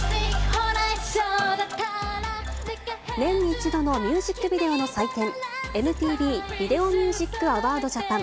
年に１度のミュージックビデオの祭典、ＭＴＶ・ビデオ・ミュージック・アワード・ジャパン。